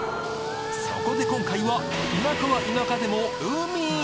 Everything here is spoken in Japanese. そこで今回は田舎は田舎でも海！